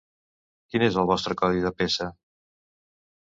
Quin és el vostre codi de peça?